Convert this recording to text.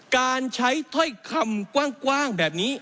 การใช้ถ้อยคำกว้างแบบนี้